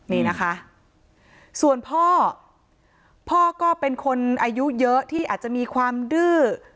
นี่นะคะส่วนพ่อพ่อก็เป็นคนอายุเยอะที่อาจจะมีความดื้อ